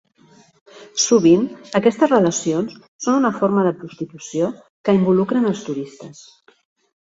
Sovint aquestes relacions són una forma de prostitució, que involucren els turistes.